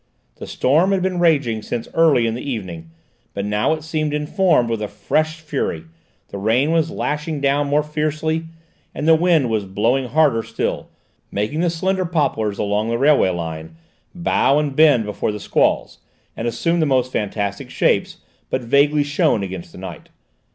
The storm had been raging since early in the evening, but now it seemed informed with a fresh fury: the rain was lashing down more fiercely, and the wind was blowing harder still, making the slender poplars along the railway line bow and bend before the squalls and assume the most fantastic shapes, but vaguely shown against the night.